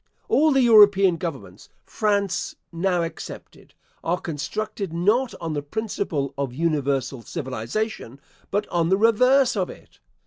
All the European governments (France now excepted) are constructed not on the principle of universal civilisation, but on the reverse of it.